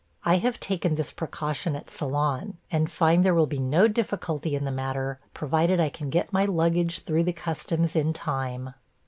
I have taken this precaution at Ceylon, and find there will be no difficulty in the matter, provided I can get my luggage through the customs in time.